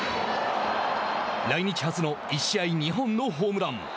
来日初の１試合２本のホームラン。